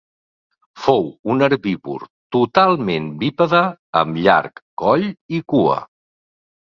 Fou un herbívor totalment bípede amb llarg coll i cua.